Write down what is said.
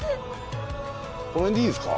この辺でいいですか？